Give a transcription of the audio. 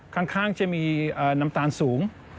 ข้างจะมีน้ำตาลสูง